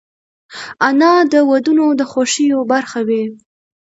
انا د ودونو د خوښیو برخه وي